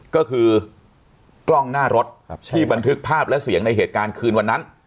ก็คือกล้องหน้ารถที่บันทึกภาพและเสียงในเหตุการณ์คืนวันนั้น